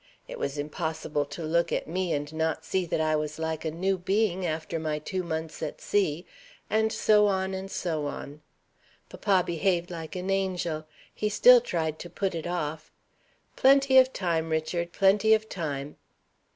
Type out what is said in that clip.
It was impossible to look at me, and not see that I was like a new being after my two months at sea,' and so on and so on. Papa behaved like an angel. He still tried to put it off. 'Plenty of time, Richard, plenty of time.'